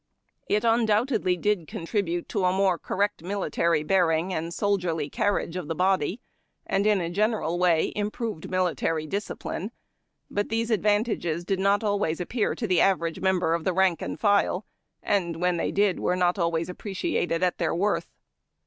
It undoubtedly did contribute to a more correct military bearing and soldierly carriage of the body, and, in a general way, improved military discipline: but these advantages did not always appear to the average member of the rank and file, and, when they did, were not always appreciated at their worth.